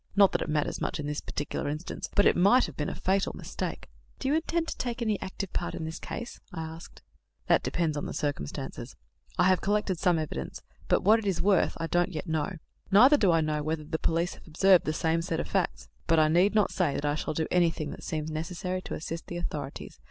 Not that it matters much in this particular instance; but it might have been a fatal mistake." "Do you intend to take any active part in this case?" I asked. "That depends on circumstances. I have collected some evidence, but what it is worth I don't yet know. Neither do I know whether the police have observed the same set of facts; but I need not say that I shall do anything that seems necessary to assist the authorities.